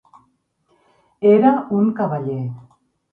Era un cavaller.